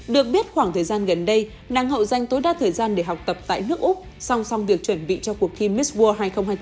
được biết khoảng thời gian gần đây nàng hậu dành tối đa thời gian để học tập tại nước úc song song việc chuẩn bị cho cuộc thi miss world hai nghìn hai mươi bốn